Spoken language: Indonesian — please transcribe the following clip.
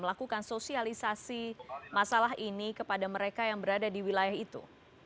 melakukan sosialisasi masalah ini kepada mereka yang berada di wilayah itu